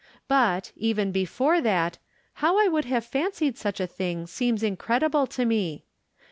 But, even before that, how I could have fancied such a thing seems incredi ble to me.